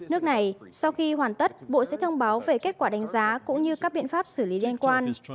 nước này sau khi hoàn tất bộ sẽ thông báo về kết quả đánh giá cũng như các biện pháp xử lý liên quan